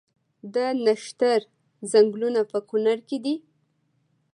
د نښتر ځنګلونه په کنړ کې دي؟